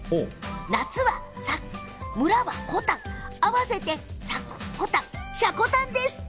夏はサク、村はコタン合わせてサクコタン積丹です。